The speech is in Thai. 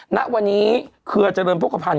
ณวันนี้เครือเจริญโภคภัณฑ์